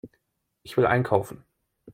Ich will einkaufen.